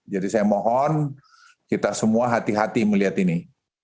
jadi saya mohon kita semua hati hati melihat ini